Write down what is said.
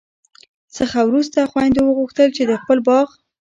څخه وروسته خویندو وغوښتل چي د خپل باغ